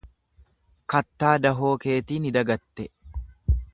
Kattaa dahoo keetii ni dagatte.